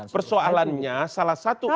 persoalannya salah satu